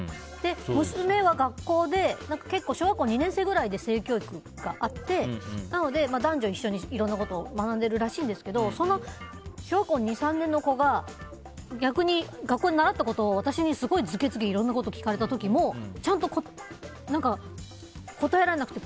娘は学校で小学校２年生ぐらいで性教育があってなので、男女一緒にいろんなことを学んでいるらしいんですけど小学校２３年の子が逆に学校で習ったことを私にすごいずけずけ聞かれた時もちゃんと答えられなくて